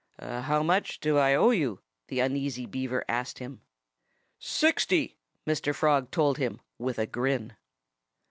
"How much do I owe you?" the uneasy Beaver asked him. "Sixty!" Mr. Frog told him, with a grin.